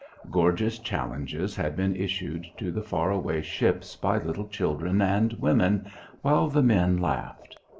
Gorgeous challenges had been issued to the far away ships by little children and women while the men laughed.